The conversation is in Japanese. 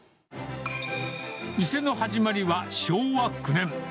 店の始まりは昭和９年。